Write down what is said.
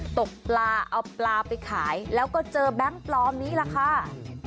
ตกปลาเอาปลาไปขายแล้วก็เจอแบงค์ปลอมนี้ล่ะค่ะ